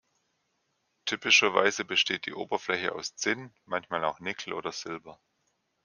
Typischerweise besteht die Oberfläche aus Zinn, manchmal auch Nickel oder Silber.